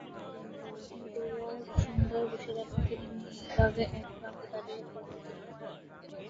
গৌরসুন্দর বসিলেন না, তিনি নীরবে এক প্রান্তে দাঁড়াইয়া কৌতুক দেখিতে লাগিলেন।